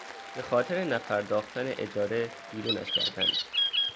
به خاطر نپرداختن اجاره بیرونش کردند.